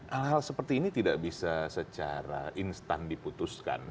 hal hal seperti ini tidak bisa secara instan diputuskan